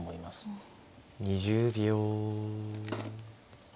２０秒。